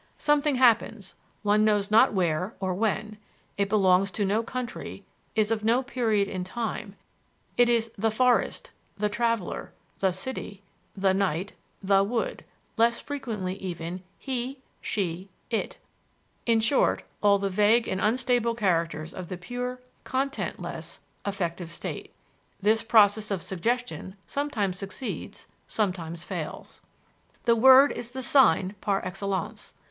Something happens, one knows not where or when; it belongs to no country, is of no period in time: it is the forest, the traveler, the city, the knight, the wood; less frequently, even He, She, It. In short, all the vague and unstable characters of the pure, content less affective state. This process of "suggestion" sometimes succeeds, sometimes fails. The word is the sign par excellence.